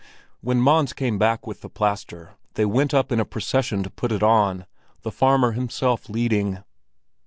When Mons came back with the plaster, they went up in a procession to put it on, the farmer himself leading.